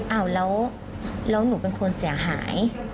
อ้าวแล้วหนูเป็นคนเสียหาย